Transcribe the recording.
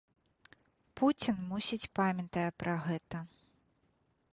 Пуцін мусіць памятае пра гэта.